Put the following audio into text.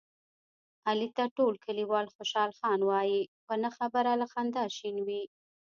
علي ته ټول کلیوال خوشحال خان وایي، په نه خبره له خندا شین وي.